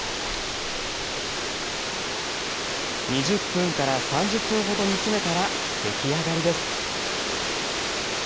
２０分から３０分ほど煮詰めたら出来上がりです。